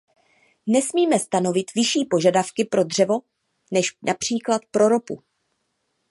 Nesmíme stanovit vyšší požadavky pro dřevo než například pro ropu.